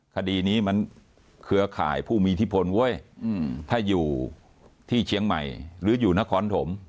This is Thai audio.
คดีนี้มันเครือข่ายผู้มีอิทธิพลเว้ยถ้าอยู่ที่เชียงใหม่หรืออยู่นครถม